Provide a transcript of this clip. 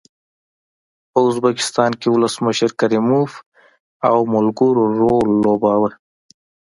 په ازبکستان کې ولسمشر کریموف او ملګرو رول لوباوه.